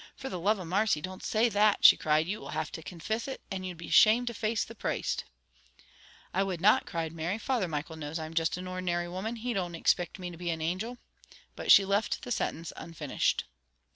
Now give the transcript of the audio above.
"For the love of marcy, don't say that!" she cried. "You will have to confiss it, and you'd be ashamed to face the praste." "I would not," cried Mary. "Father Michael knows I'm just an ordinary woman, he don't ixpict me to be an angel." But she left the sentence unfinished.